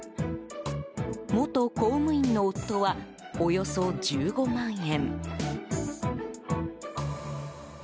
元公務員の夫はおよそ１５万円。